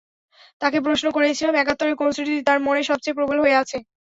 তাঁকে প্রশ্ন করেছিলাম একাত্তরের কোন স্মৃতিটি তাঁর মনে সবচেয়ে প্রবল হয়ে আছে।